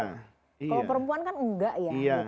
kalau perempuan kan enggak ya